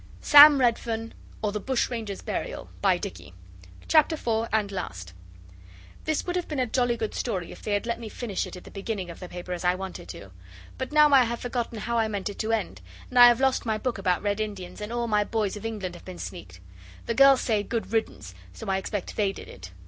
SAM REDFERN, OR THE BUSHRANGER'S BURIAL By Dicky CHAPTER IV AND LAST This would have been a jolly good story if they had let me finish it at the beginning of the paper as I wanted to. But now I have forgotten how I meant it to end, and I have lost my book about Red Indians, and all my Boys of England have been sneaked. The girls say 'Good riddance!' so I expect they did it.